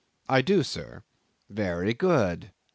"I do, sir." "Very good.